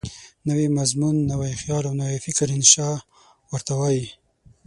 نوی مضمون، نوی خیال او نوی فکر انشأ ورته وايي.